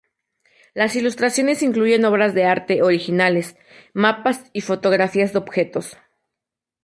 Las ilustraciones incluyen obras de arte originales, mapas y fotografías de objetos.